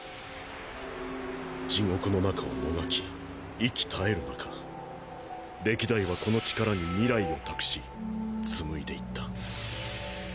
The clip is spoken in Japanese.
地獄の中をもがき息絶える中歴代はこの力に未来を託し紡いでいった。